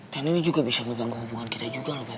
dan ini juga bisa ngebangga hubungan kita juga beb